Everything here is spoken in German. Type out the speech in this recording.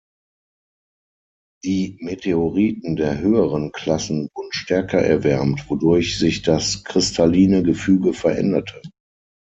Die Meteoriten der höheren Klassen wurden stärker erwärmt, wodurch sich das kristalline Gefüge veränderte.